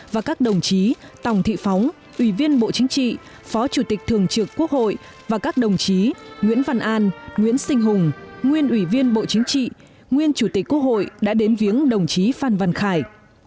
với chủ tịch thường trực quốc hội và các đồng chí nguyễn văn an nguyễn sinh hùng nguyên ủy viên bộ chính trị nguyên chủ tịch quốc hội đã đến viếng đồng chí phan văn khải